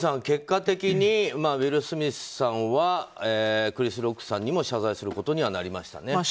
結果的にウィル・スミスさんはクリス・ロックさんにも謝罪することにはなりましたね。